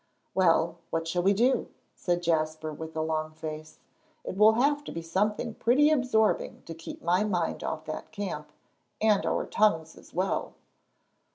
"Well, what shall we do?" said Jasper, with a long face. "It will have to be something pretty absorbing to keep my mind off that camp, and our tongues as well."